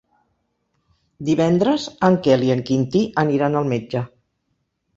Divendres en Quel i en Quintí aniran al metge.